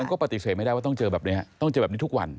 ก็ปฏิเสธไม่ได้ว่าต้องเจอแบบนี้ต้องเจอแบบนี้ทุกวัน